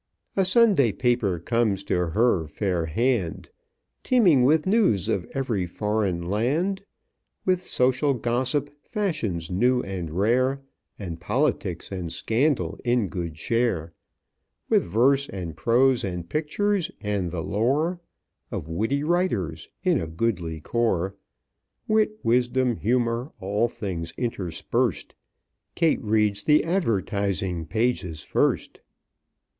"A Sunday paper comes to her fair hand Teeming with news of every foreign land, With social gossip, fashions new and rare, And politics and scandal in good share, With verse and prose and pictures, and the lore Of witty writers in a goodly corps, Wit, wisdom, humor, all things interspersed Kate reads the advertising pages first!